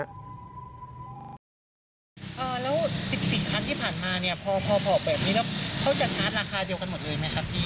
แล้ว๑๔ครั้งที่ผ่านมาเนี่ยพอบอกแบบนี้แล้วเขาจะชาร์จราคาเดียวกันหมดเลยไหมครับพี่